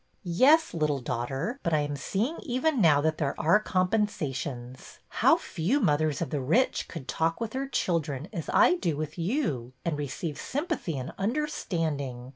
Yes, little daughter, but I am seeing even now that there are compensations. How few mothers of the rich could talk with their children, as I do with you, and receive sympathy and under standing